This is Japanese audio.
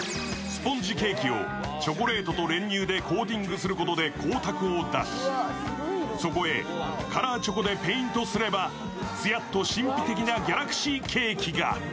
スポンジケーキをチョコレートと練乳でコーティングすることでそこへカラーチョコでペイントすれば、つやっと神秘的なギャラクシーケーキが。